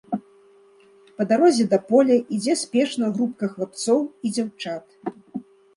Па дарозе да поля ідзе спешна групка хлапцоў і дзяўчат.